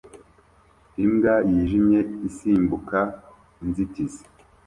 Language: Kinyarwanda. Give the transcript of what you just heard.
Imbwa yijimye isimbuka inzitizi